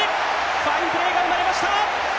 ファインプレーが生まれました！